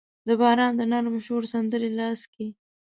د باران د نرم شور سندرې لاس کې